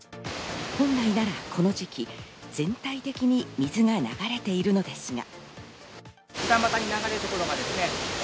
本来ならこの時期、全体的に水が流れているのですが。